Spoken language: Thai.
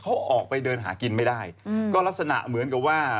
เขาออกไปเดินหากินไม่ได้ก็ลักษณะเหมือนกับว่า